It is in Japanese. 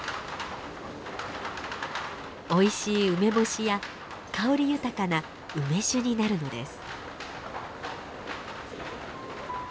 おいしい梅干しや香り豊かな梅酒になるのです。